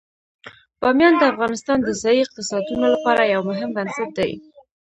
بامیان د افغانستان د ځایي اقتصادونو لپاره یو مهم بنسټ دی.